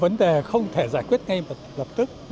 vấn đề không thể giải quyết ngay lập tức